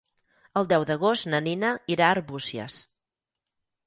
El deu d'agost na Nina irà a Arbúcies.